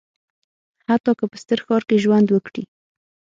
حتی که په ستر ښار کې ژوند وکړي.